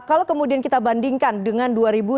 kalau kemudian kita bandingkan dengan dua ribu sembilan belas